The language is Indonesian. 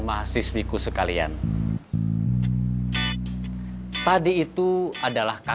mengumpul ke dalam tubuhnya